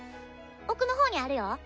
奥の方にあるよ。